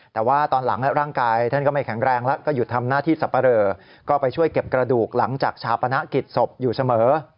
แต่ว่าตอนหลังร่างกายท่านก็ไม่แข็งแรงแล้วก็หยุดทำหน้าที่สับปะเรอก็ไปช่วยเก็บกระดูกหลังจากชาปนกิจศพอยู่เสมอ